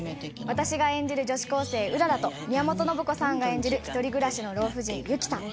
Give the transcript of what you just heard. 私が演じる女子高生うららと宮本信子さんが演じる１人暮らしの老婦人雪さん。